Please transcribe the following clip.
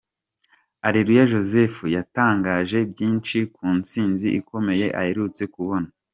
Areruya Joseph yatangaje byinshi ku nsinzi ikomeye aherutse kubona.